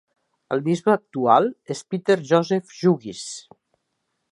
El bisbe actual és Peter Joseph Jugis.